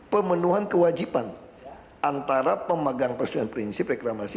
pemenuhan kewajiban antara pemegang persetujuan prinsip reklamasi